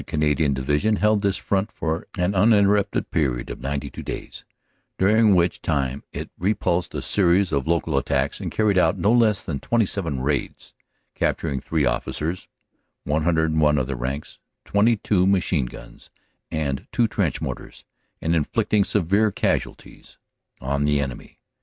Canadian Division held this front for an uninterrupted period of 92 days, during which time it repulsed a series of local attacks and carried out no less than 27 raids, capturing three officers, 101 other ranks, 22 machine guns, and two trench mortars, and inflicting severe casualties on the enemy.